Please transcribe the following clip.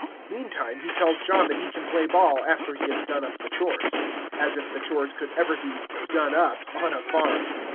Meantime, he tells John that he can play ball after he has done up the chores. As if the chores could ever be "done up" on a farm.